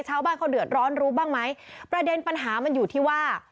ชาวบ้านเขาเดือดร้อนรู้บ้างไหมประเด็นปัญหามันอยู่ที่ว่า